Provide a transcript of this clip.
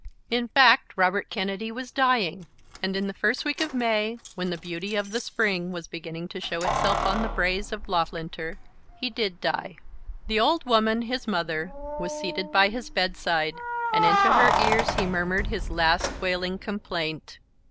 In fact Robert Kennedy was dying; and in the first week of May, when the beauty of the spring was beginning to show itself on the braes of Loughlinter, he did die. The old woman, his mother, was seated by his bedside, and into her ears he murmured his last wailing complaint.